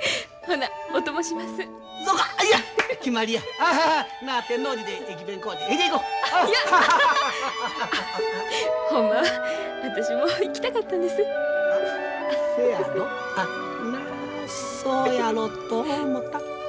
なあそうやろと思た。